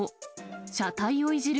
車体をいじる